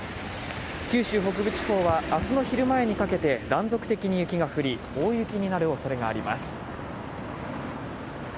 九州北部地方は明日の昼前にかけて断続的に雪が降り、大雪になるおそれがあります。